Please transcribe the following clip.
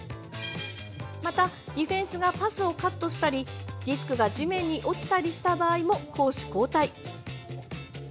また、ディフェンスがパスをカットしたりディスクが地面に落ちたりした場合も攻守交代。